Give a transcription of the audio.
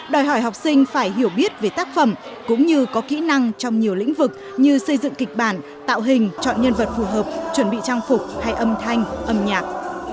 đòi hỏi học sinh phải hiểu biết về tác phẩm cũng như có kỹ năng trong nhiều lĩnh vực như xây dựng kịch bản tạo hình chọn nhân vật phù hợp chuẩn bị trang phục hay âm thanh âm nhạc